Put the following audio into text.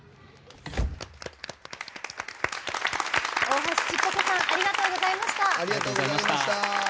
大橋ちっぽけさんありがとうございました。